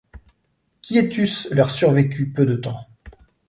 Quiétus leur survécut peu de temps.